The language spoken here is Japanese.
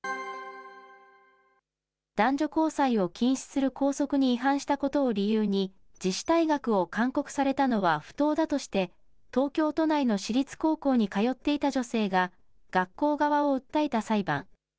男女交際を禁止する校則に違反したことを理由に、自主退学を勧告されたのは不当だとして、東京都内の私立高校に通っていた女性が、学校側を訴えた裁判。